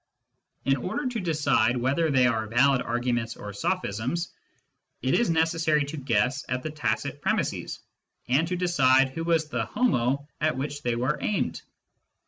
In order to decide whether they are valid arguments or " sophisms," it is necessary to guess at the tacit premisses, and to decide who was the " homo " at whom they were aimed.